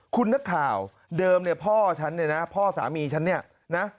คุณนักข่าวเดิมเนี่ยพ่อฉันเนี่ยนะพ่อสามีฉันเนี่ยนะ